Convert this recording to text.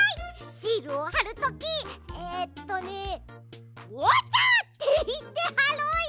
シールをはるときえっとね「オッチョ」っていってはろうよ。